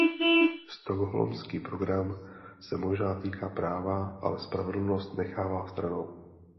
Stockholmský program se možná týká práva, ale spravedlnost nechává stranou.